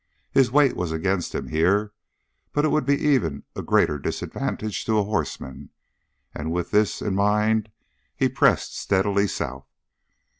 His weight was against him here, but it would be even a greater disadvantage to a horseman, and with this in mind, he pressed steadily south.